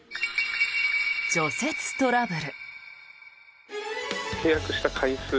除雪トラブル。